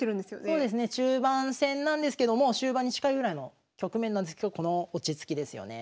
そうですね中盤戦なんですけどもう終盤に近いぐらいの局面なんですけどこの落ち着きですよね。